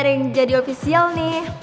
reng jadi ofisial nih